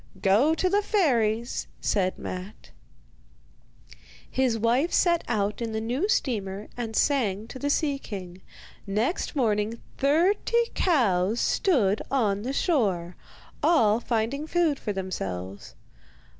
'Go to the fairies,' said Matte. His wife set out in the new steamer and sang to the sea king. Next morning thirty cows stood on the shore, all finding food for themselves.